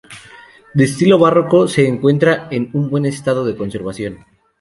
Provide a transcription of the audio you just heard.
De estilo barroco, se encuentra en un buen estado de conservación.